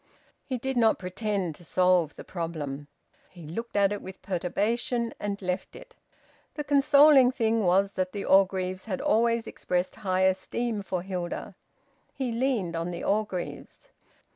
He did not pretend to solve the problem. He looked at it with perturbation, and left it. The consoling thing was that the Orgreaves had always expressed high esteem for Hilda. He leaned on the Orgreaves.